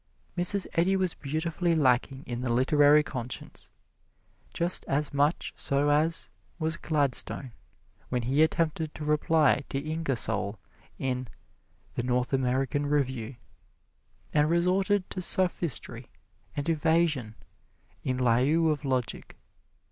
Mrs. Eddy was beautifully lacking in the literary conscience, just as much so as was Gladstone when he attempted to reply to Ingersoll in "The North American Review," and resorted to sophistry and evasion in lieu of logic.